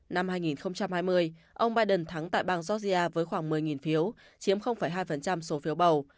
năm hai nghìn hai mươi ông biden thắng tại bang georgia với khoảng một mươi phiếu chiếm hai số phiếu bầu